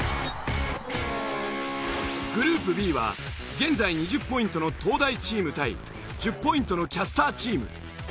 グループＢは現在２０ポイントの東大チーム対１０ポイントのキャスターチーム。